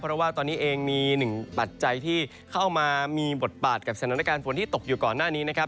เพราะว่าตอนนี้เองมีหนึ่งปัจจัยที่เข้ามามีบทบาทกับสถานการณ์ฝนที่ตกอยู่ก่อนหน้านี้นะครับ